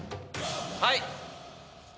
はい！